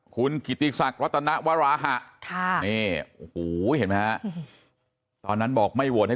คุณกิติศักดิ์รัตนวราฮะเห็นไหมครับตอนนั้นบอกไม่โหดให้